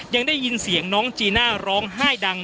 ยังได้ยินเสียงน้องจีน่าร้องไห้ดัง